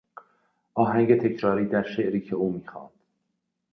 آهنگ تکراری در شعری که او میخواند.